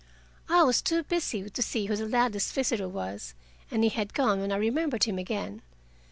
I was too busy to see who the Ladleys' visitor was, and he had gone when I remembered him again.